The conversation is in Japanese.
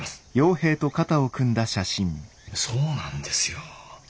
そうなんですよ。